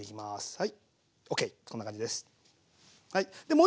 はい。